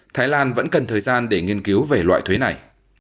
thái lan vẫn cần thời gian để nghiên cứu về loại thuế này